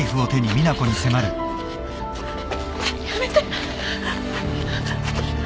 やめて